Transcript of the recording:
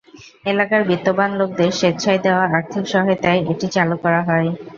এলাকার বিত্তবান লোকদের স্বেচ্ছায় দেওয়া আর্থিক সহায়তায় এটি চালু করা হয়।